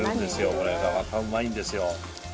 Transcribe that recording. これがまたうまいんですよ。